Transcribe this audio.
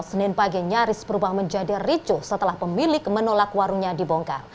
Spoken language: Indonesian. senin pagi nyaris berubah menjadi ricuh setelah pemilik menolak warungnya dibongkar